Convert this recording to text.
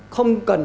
không cần những